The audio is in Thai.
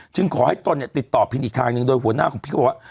ขอให้ตนเนี่ยติดต่อพิมพ์อีกทางหนึ่งโดยหัวหน้าของพี่เขาบอกว่า